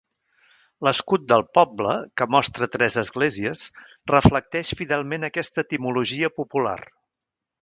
L'escut del poble, que mostra tres esglésies, reflecteix fidelment aquesta etimologia popular.